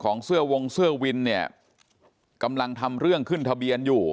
เสื้อวงเสื้อวินเนี่ยกำลังทำเรื่องขึ้นทะเบียนอยู่